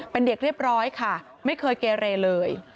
เป็นเด็กเรียบร้อยค่ะไม่เคยเกเรเลย